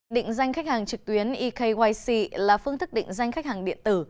định danh khách hàng trực tuyến ekyc là phương thức định danh khách hàng điện tử